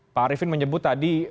pak arifin menyebut tadi